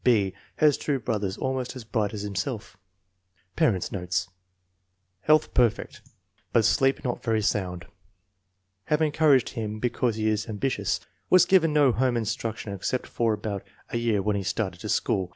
B. has two brothers almost as bright as himself. Parents 9 notes. Health perfect, but sleep not very FORTY ONE SUPERIOR CHILDREN 231 sound. " Have encouraged him because he is not am bitious/' Was given no home instruction except for about a year when he started to school.